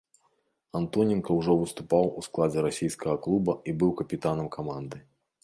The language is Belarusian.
Антоненка ўжо выступаў у складзе расійскага клуба і быў капітанам каманды.